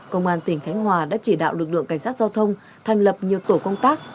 công an tỉnh khánh hòa đã chỉ đạo lực lượng cảnh sát giao thông thành lập nhiều tổ công tác